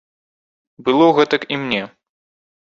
Было гэтак і мне.